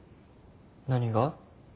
何が？